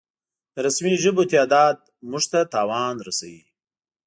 د رسمي ژبو تعداد مونږ ته تاوان رسوي